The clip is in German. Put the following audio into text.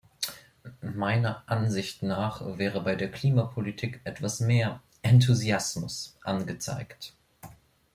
Meiner Ansicht nach wäre bei der Klimapolitik etwas mehr Enthusiasmus angezeigt.